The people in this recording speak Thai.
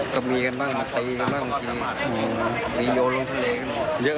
ก็มีกันบ้างมีตีกันบ้างมีโยนลงทะเลกันบ้าง